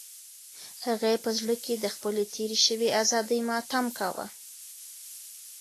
هغې په زړه کې د خپلې تېرې شوې ازادۍ ماتم کاوه.